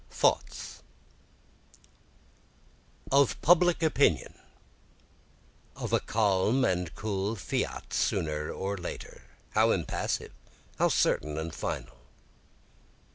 Thoughts Of public opinion, Of a calm and cool fiat sooner or later, (how impassive! how certain and final!)